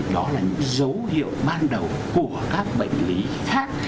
đó là những dấu hiệu ban đầu của các bệnh lý khác